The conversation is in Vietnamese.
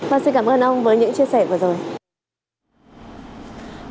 vâng xin cảm ơn ông với những chia sẻ vừa rồi